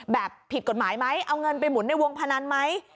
แบบผิดกฎหมายไหมเอาเงินไปหมุนในวงพนันไหม